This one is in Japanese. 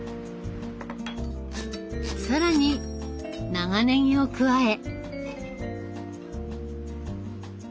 更に長ねぎを加え。